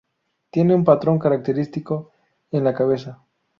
Tiene un patrón característico en la cabeza.